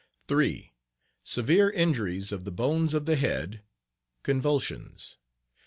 3. Severe injuries of the bones of the head; convulsions.